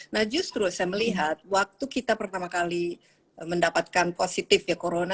nah justru saya melihat waktu kita pertama kali mendapatkan positif ya corona